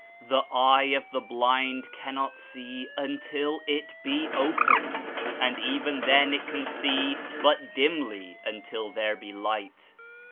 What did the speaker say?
The eye of the blind cannot see until it be "opened," and even then it can see but dimly until there be Light.